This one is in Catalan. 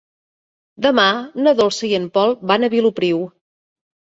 Demà na Dolça i en Pol van a Vilopriu.